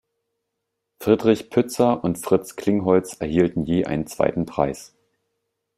Friedrich Pützer und Fritz Klingholz erhielten je einen zweiten Preis.